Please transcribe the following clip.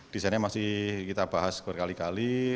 desainnya masih kita bahas berkali kali